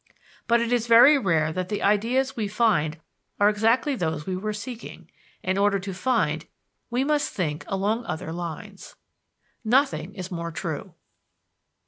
"But it is very rare that the ideas we find are exactly those we were seeking. In order to find, we must think along other lines." Nothing is more true.